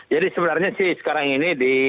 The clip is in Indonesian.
jadi sebenarnya sih sekarang ini